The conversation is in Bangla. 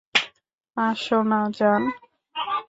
আসোনা, জান।